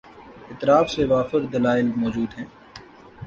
اطراف سے وافر دلائل مو جود ہیں۔